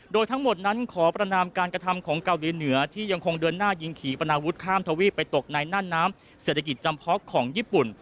โดยทั้งหมดนั้นขอประนามการกระทำของเกาหลีเหนือที่ยังคงเดินหน้ายิงขี่ปนาวุธข้ามทวีปไปตกในนั่นน้ำเศรษฐกิจจำเพาะของญี่ปุ่น